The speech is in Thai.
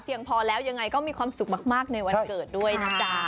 พอแล้วยังไงก็มีความสุขมากในวันเกิดด้วยนะจ๊ะ